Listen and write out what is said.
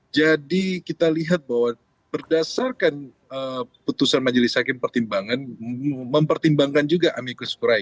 jadi kita lihat bahwa berdasarkan putusan majelis hakim pertimbangan mempertimbangkan juga amicus kurai